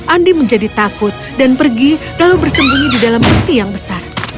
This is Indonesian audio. andi menjadi takut dan pergi lalu bersembunyi di dalam henti yang besar